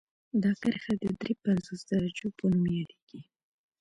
دا کرښه د دري پنځوس درجو په نوم یادیږي